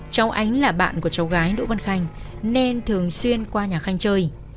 cháu ánh là bạn của cháu gái đỗ văn khanh nên thường xuyên qua nhà khanh chơi